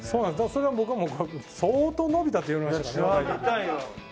それは僕も相当のび太って言われましたから。